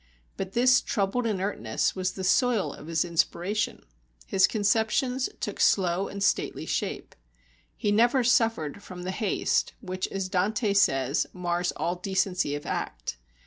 But this troubled inertness was the soil of his inspiration; his conceptions took slow and stately shape. He never suffered from the haste, which as Dante says "mars all decency of act."